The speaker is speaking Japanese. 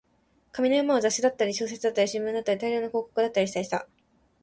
紙の山は雑誌だったり、小説だったり、新聞だったり、大量の広告だったりした